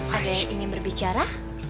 ada yang ingin berbicara